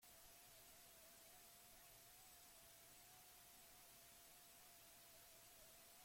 Pelikularen muntaketa ere zaila bezain aberasgarria izan zen.